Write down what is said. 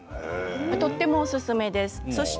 とてもおすすめです。